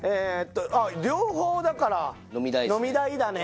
あっ両方だから飲み代だね。